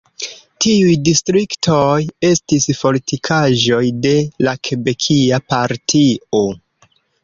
Tiuj distriktoj estis fortikaĵoj de la Kebekia Partio.